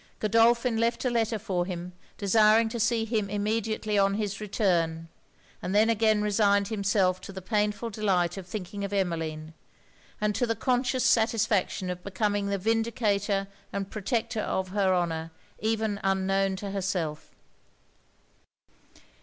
Godolphin left a letter for him desiring to see him immediately on his return; and then again resigned himself to the painful delight of thinking of Emmeline, and to the conscious satisfaction of becoming the vindicator and protector of her honour even unknown to herself.